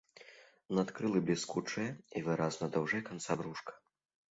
Надкрылы бліскучыя і выразна даўжэй канца брушка.